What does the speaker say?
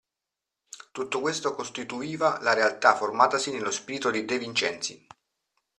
Tutto questo costituiva la realtà formatasi nello spirito di De Vincenzi.